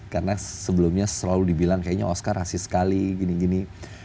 karena sebelumnya selalu dibilang kayaknya oscar rasis sekali gini gini